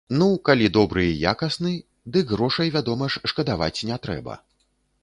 Ну, калі добры і якасны, дык грошай, вядома ж, шкадаваць не трэба.